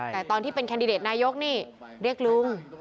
แต่ตอนที่เป็นแคนดิเดตนายกนี่เรียกลุง